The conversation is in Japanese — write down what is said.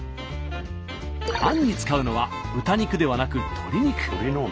あんに使うのは豚肉ではなく鶏肉。